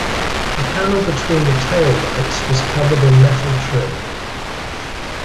The panel between the tail lights was covered in metal trim.